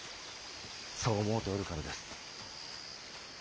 そう思うておるからです。